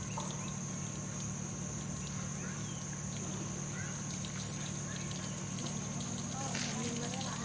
สุดท้ายสุดท้ายสุดท้าย